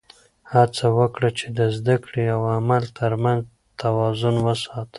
هڅه وکړه چې د زده کړې او عمل تر منځ توازن وساته.